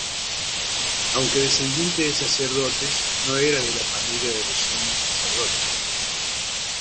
Aunque descendiente de sacerdotes, no era de la familia de los sumos sacerdotes.